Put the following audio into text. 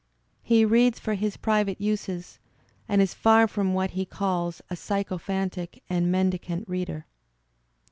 He reads for his private uses and is far from what he calls a sycophantic and mendicant reader.